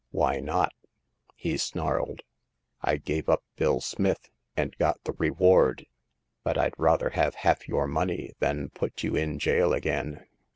Why not?" he snarled. I gave up Bill Smith and got the re ward ; but rd rather have half your money than put you in jail again."